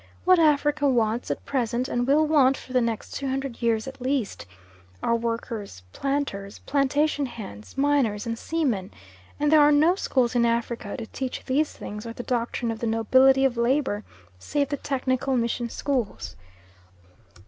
What Africa wants at present, and will want for the next 200 years at least, are workers, planters, plantation hands, miners, and seamen; and there are no schools in Africa to teach these things or the doctrine of the nobility of labour save the technical mission schools.